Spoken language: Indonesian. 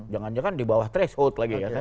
jangan jangan di bawah threshold lagi ya kan